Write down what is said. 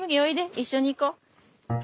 一緒に行こ。